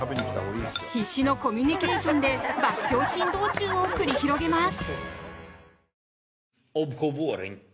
必死のコミュニケーションで爆笑珍道中を繰り広げます。